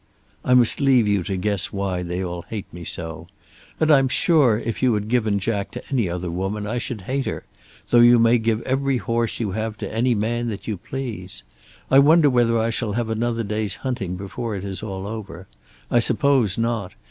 I must leave you to guess why they all hate me so! And I'm sure if you had given Jack to any other woman I should hate her, though you may give every horse you have to any man that you please. I wonder whether I shall have another day's hunting before it is all over. I suppose not.